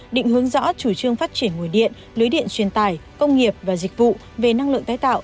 định hướng rõ chủ trương phát triển nguồn điện lưới điện truyền tải công nghiệp và dịch vụ về năng lượng tái tạo